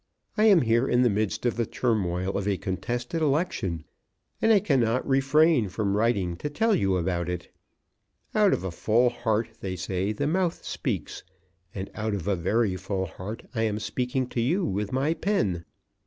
I am here in the midst of the turmoil of a contested election, and I cannot refrain from writing to tell you about it. Out of a full heart they say the mouth speaks, and out of a very full heart I am speaking to you with my pen.